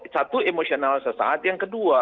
satu emosional sesaat yang kedua